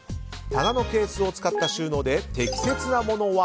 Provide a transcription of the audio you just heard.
棚のケースを使った収納で適切なものは。